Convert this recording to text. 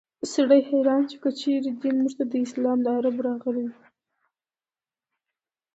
سړی حیران شي که چېرې دین موږ ته له عربو راغلی وي.